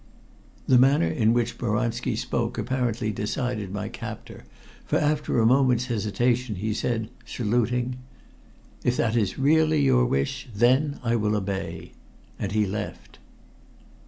The manner in which Boranski spoke apparently decided my captor, for after a moment's hesitation he said, saluting: "If that is really your wish, then I will obey." And he left.